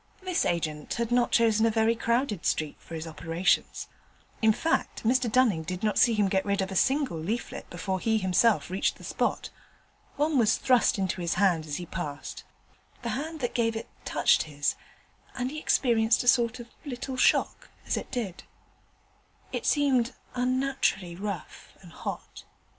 This agent had not chosen a very crowded street for his operations: in fact, Mr Dunning did not see him get rid of a single leaflet before he himself reached the spot. One was thrust into his hand as he passed: the hand that gave it touched his, and he experienced a sort of little shock as it did so. It seemed unnaturally rough and hot.